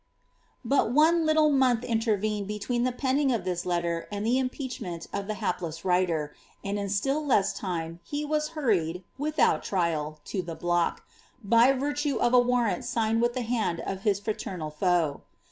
But one little month intervened between the penning of this letter and the impeachment of the hapless writer, and in still less time he was hurried, without trial, to the block, by virtue of a warrant signed with the hand of his fraternal foe.